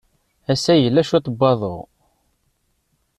Ass-a, yella cwiṭ n waḍu.